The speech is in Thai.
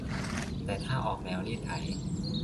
แต่ถ้าออกแนวรีดไถ